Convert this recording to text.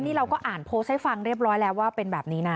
นี่เราก็อ่านโพสต์ให้ฟังเรียบร้อยแล้วว่าเป็นแบบนี้นะ